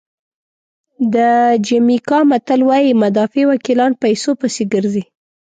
د جمیکا متل وایي مدافع وکیلان پیسو پسې ګرځي.